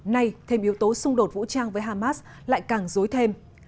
nay thêm yếu tố xung đột vũ trang với hamas lại càng dối thêm